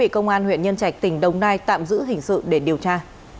bị công an huyện nhân trạch tỉnh đồng nai tạm giữ hình sự để điều tra